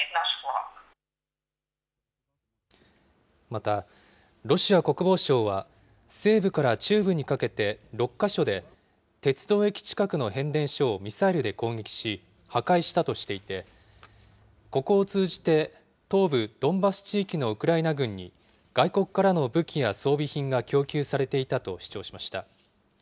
また、ロシア国防省は、西部から中部にかけて、６か所で、鉄道駅近くの変電所をミサイルで攻撃し、破壊したとしていて、ここを通じて、東部ドンバス地域のウクライナ軍に、外国からの武器や装備品が供給されていたと主張しました。